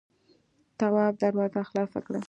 تواب دروازه خلاصه کړه.